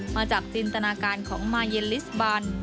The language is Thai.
มาจากจินตนาการของมาเย็นลิสบัน